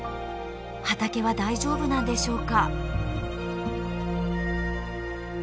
畑は大丈夫なんでしょうか。